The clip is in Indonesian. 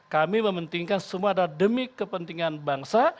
kami mementingkan semua adalah demi kepentingan bangsa